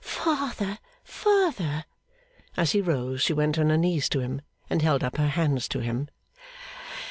'Father, father!' As he rose she went on her knees to him, and held up her hands to him.